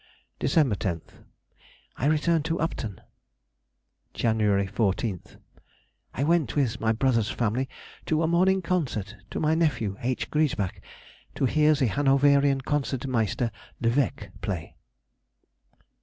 December 10th.—I returned to Upton. January 14th.—I went, with my brother's family, to a morning concert, to my nephew, H. Griesbach, to hear the Hanoverian Concert Meister Le Vec play.